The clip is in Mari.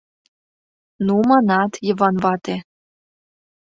— Ну, манат, Йыван вате...